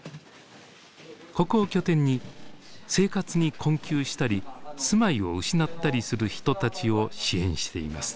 ここを拠点に生活に困窮したり住まいを失ったりする人たちを支援しています。